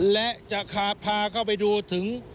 และจะพาเข้าไปดูถึง